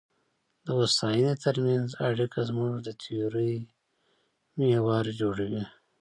د هوساینې ترمنځ اړیکه زموږ د تیورۍ محور جوړوي.